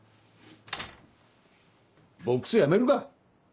ボックスやめるか。